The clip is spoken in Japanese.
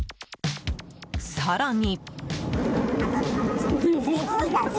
更に。